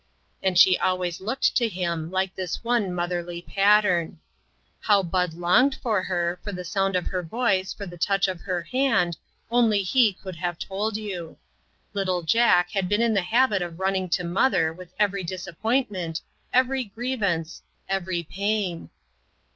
And she always looked to him like this one motherly pattern. How Bud longed for her, for the sound of her voice, for the touch of her hand, only he could have told you. Little Jack had been in the habit of running to mother with every disappointment, every grievance, every pain.